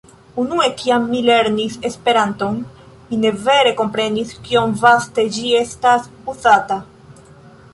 Unue, kiam mi lernis Esperanton, mi ne vere komprenis kiom vaste ĝi estas uzata.